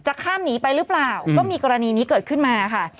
ข้ามหนีไปหรือเปล่าก็มีกรณีนี้เกิดขึ้นมาค่ะ